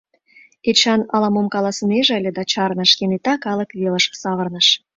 — Эчан ала-мом каласынеже ыле да — чарныш, кенета калык велыш савырныш.